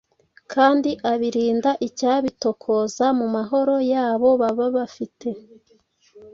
kandi abirinda icyabitokoza mumahoro yabo bababafite